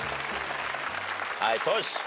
はいトシ。